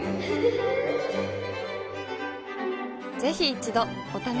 ぜひ一度お試しを。